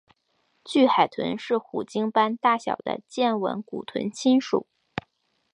巨海豚是虎鲸般大小的剑吻古豚亲属。